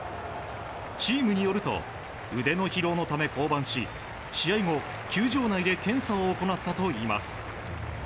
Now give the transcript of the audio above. チームによると腕の疲労のため降板し試合後、球場内で検査を行ったといいます。